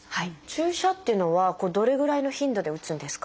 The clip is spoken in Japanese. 注射っていうのはどれぐらいの頻度で打つんですか？